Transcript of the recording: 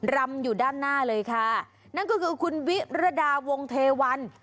รำอยู่ด้านหน้าเลยค่ะนั่นก็คือคุณวิรดาวงเทวัน